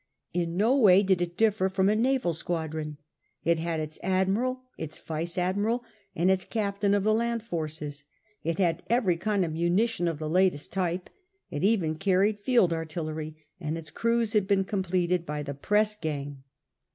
In no way did it differ from a naval squadron. It had its admiral, its vice admiral, and its captain of the land forces. It had every kind of munition of the latest type ; it even carried field artillery, and its crews had been com pleted by the pressgang.